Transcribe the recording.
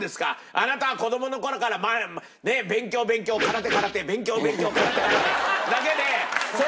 あなたは子どもの頃から勉強勉強空手空手勉強勉強空手空手だけで。